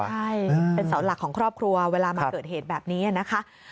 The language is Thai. ใช่เป็นเสาหลักของครอบครัวเวลามาเกิดเหตุแบบนี้นะคะ